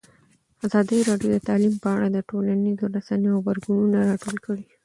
ازادي راډیو د تعلیم په اړه د ټولنیزو رسنیو غبرګونونه راټول کړي.